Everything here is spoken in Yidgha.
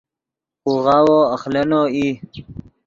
خوغاوو اخلینو ای